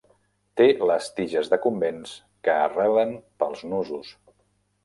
Té les tiges decumbents, que arrelen pels nusos.